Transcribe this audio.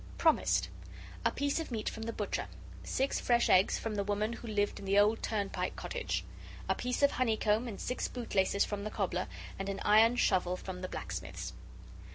PROMISED. A piece of meat from the butcher. Six fresh eggs from the woman who lived in the old turnpike cottage. A piece of honeycomb and six bootlaces from the cobbler, and an iron shovel from the blacksmith's.